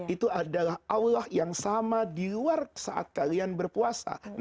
itu adalah allah yang sama di luar saat kalian berpuasa